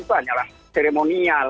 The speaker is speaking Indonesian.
itu hanyalah seremonial